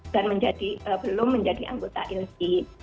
dan belum menjadi anggota ilky